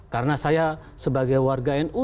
karena saya sebagai warga nu